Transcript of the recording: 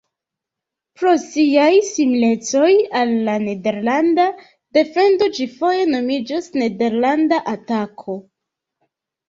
Pro siaj similecoj al la nederlanda defendo ĝi foje nomiĝas nederlanda atako.